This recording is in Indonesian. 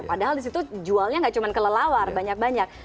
padahal di situ jualnya nggak cuma kelelawar banyak banyak